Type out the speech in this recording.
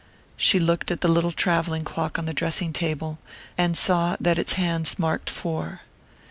She looked at the little travelling clock on the dressing table, and saw that its hands marked four.